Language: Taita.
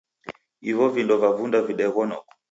Ivo vindo vavunda videgho noko.